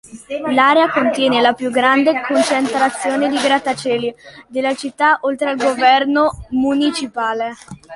L'area contiene la più grande concentrazione di grattacieli della città oltre al governo municipale.